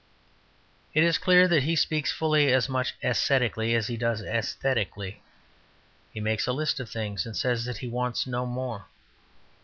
It is clear that he speaks fully as much ascetically as he does æsthetically. He makes a list of things and says that he wants no more.